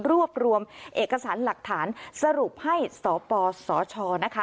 รวบรวมเอกสารหลักฐานสรุปให้สปสชนะคะ